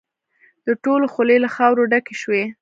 د ټولو خولې له خاورو ډکې شوې.